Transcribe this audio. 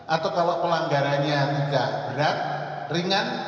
atau kalau pelanggarannya tidak berat ringan